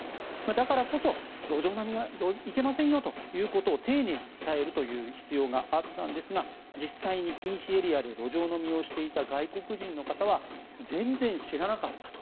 だからこそ路上飲みはいけませんよということを丁寧に伝えるという必要があったんですが実際に禁止エリアで路上飲みをしていた外国人の方は全然知らなかったと。